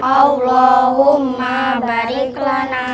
allahumma barik lana